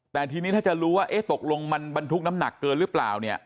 แต่ทีนี้ถ้าจะรู้ว่าตกลงมันบรรทุกน้ำหนักเกินหรือเปล่าเนี่ย